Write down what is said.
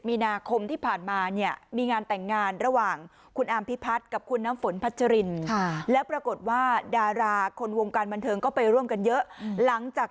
มีนาคมที่ผ่านมาเนี่ยมีงานแต่งงานระหว่างคุณอามพิพัฒน์กับคุณน้ำฝนพัชรินแล้วปรากฏว่าดาราคนวงการบันเทิงก็ไปร่วมกันเยอะหลังจาก